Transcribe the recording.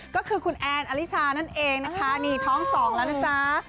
ก็คือคุณแอนอลิชานั่นเองนะคะนี่ท้องสองแล้วนะจ๊ะ